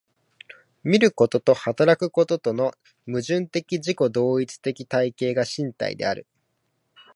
見ることと働くこととの矛盾的自己同一的体系が身体である。